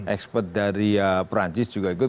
expert dari perancis juga ikut